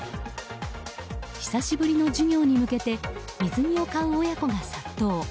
久しぶりの授業に向けて水着を買う親子が殺到。